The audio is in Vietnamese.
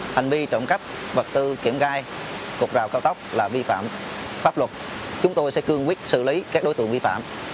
hành vi trộm cắp vật tư kiểm gai cục rào cao tốc là vi phạm pháp luật chúng tôi sẽ cương quyết xử lý các đối tượng vi phạm